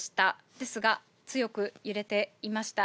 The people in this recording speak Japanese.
ですが、強く揺れていました。